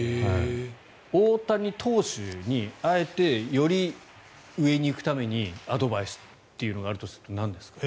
大谷投手にあえて、より上に行くためにアドバイスというのがあるとすれば、なんですか。